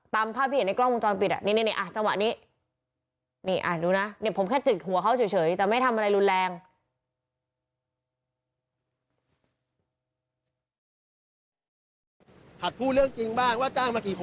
ตามภาพที่เห็นในกล้องมุมจอมปิดนี่นี่อ่ะจังหวะนี้